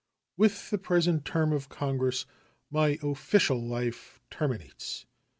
With the present term of Congress my official life terminates.